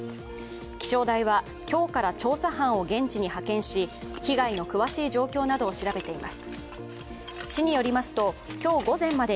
気象台は今日から調査団を現地に派遣し、被害の詳しい状況などを調べています。